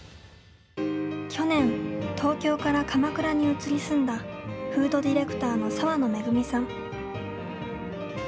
去年、東京から鎌倉に移り住んだフードディレクターのさわのめぐみさん。